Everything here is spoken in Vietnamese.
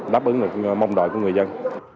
đáp ứng được mong đoạn của người dân